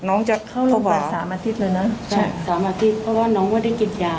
น้องจะเข้าลงกัน๓อาทิตย์เลยนะใช่๓อาทิตย์เพราะว่าน้องก็ได้กินยา